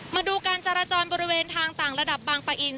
มาดูการจราจรบริเวณทางต่างระดับบางปะอิน